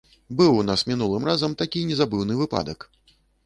Быў у нас мінулым разам такі незабыўны выпадак.